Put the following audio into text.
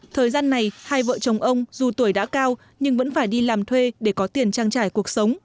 thời gian này hai vợ chồng ông dù tuổi đã cao nhưng vẫn phải đi làm thuê để có tiền trang trải cuộc sống